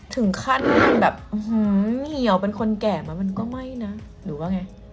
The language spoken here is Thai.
ถึงขั้นแบบเหี่ยวเป็นคนแก่มามันก็ไม่นะหรือว่าไง